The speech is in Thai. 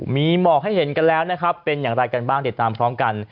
มีหมอกให้เห็นกันแล้วนะครับเป็นอย่างไรกันบ้างติดตามพร้อมกัน